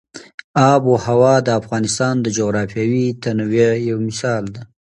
آب وهوا د افغانستان د جغرافیوي تنوع یو مثال دی.